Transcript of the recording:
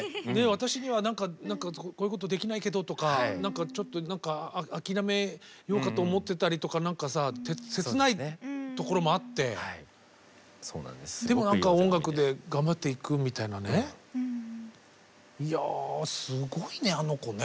私にはこういうことできないけどとかちょっと何か諦めようかと思ってたりとか何かさ切ないところもあってでも何か音楽で頑張っていくみたいなねいやすごいねあの子ね。